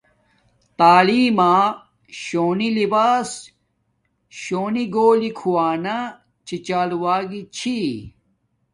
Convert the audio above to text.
تعلیم ما شونی لباس چونی گھولی کھووانا چھی چال و گی چھی